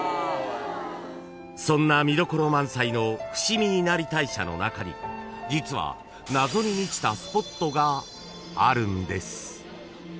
［そんな見どころ満載の伏見稲荷大社の中に実は謎に満ちたスポットがあるんです］